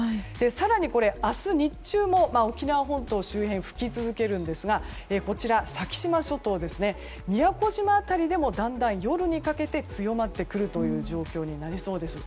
更に、明日日中も沖縄本島周辺に吹き続けるんですがこちら先島諸島宮古島辺りでもだんだん夜にかけて強まってくる状況になりそうです。